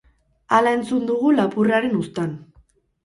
Hala entzun dugu lapurraren uztan.